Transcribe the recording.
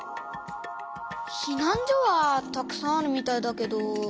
ひなん所はたくさんあるみたいだけど。